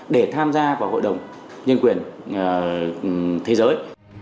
để tham gia vào hội đồng nhân quyền thế giới